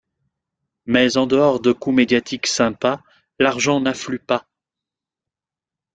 Mais en dehors de coups médiatiques sympas, l'argent n'afflue pas.